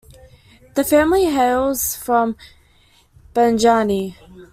The family hails from Banjani.